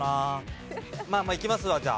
まあまあいきますわじゃあ。